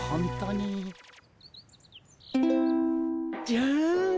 じゃん。